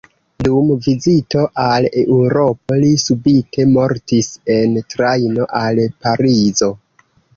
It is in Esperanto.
Dum vizito al Eŭropo li subite mortis en trajno al Parizo.